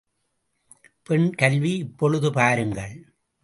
பெண் கல்வி இப்பொழுது பாருங்கள்.